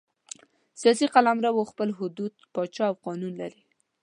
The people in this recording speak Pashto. سیاسي قلمرو خپل حدود، پاچا او قانون لري.